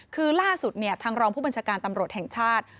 คือล่าสุดทางรองผู้บัญชาการตำรวจแห่งชาติ